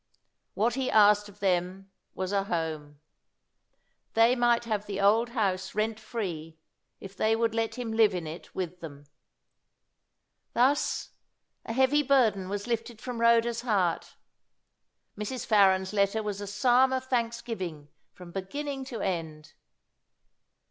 What he asked of them was a home. They might have the old house rent free, if they would let him live in it with them. Thus, a heavy burden was lifted from Rhoda's heart. Mrs. Farren's letter was a psalm of thanksgiving from beginning to end.